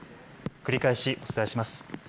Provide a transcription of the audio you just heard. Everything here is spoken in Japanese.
繰り返しお伝えします。